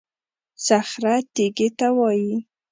صخره تېږې ته وایي.